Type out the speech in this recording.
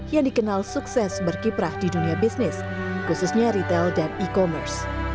yang dikenal sukses berkiprah di dunia bisnis khususnya retail dan e commerce